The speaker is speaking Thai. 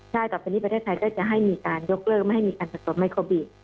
ใช่ต่อไปนี้ประเทศไทยก็จะให้มีการยกเลิกไม่ให้มีการสะสมไม่ครบอีก